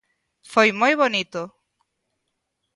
Foi moi bonito.